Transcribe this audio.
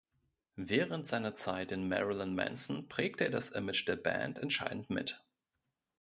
Während seiner Zeit in Marilyn Manson prägte er das Image der Band entscheidend mit.